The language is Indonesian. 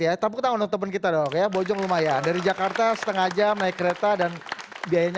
ya tepuk tangan untuk kita dong ya bojong lumayan dari jakarta setengah jam naik kereta dan biayanya